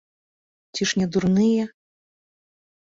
Ці ж не дурныя?